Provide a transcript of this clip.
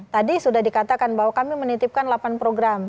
tadi sudah dikatakan bahwa kami menitipkan delapan program